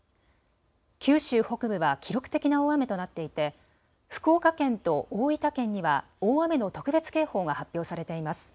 九州北部は記録的な大雨となっていて福岡県と大分県には大雨の特別警報が発表されています。